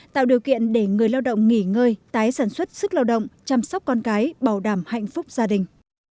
tạo điều kiện để người lao động nghỉ ngơi tái sản xuất sức lao động chăm sóc con cái bảo đảm hạnh phúc gia đình